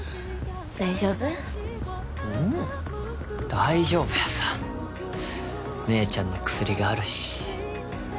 大丈夫やさ姉ちゃんの薬があるし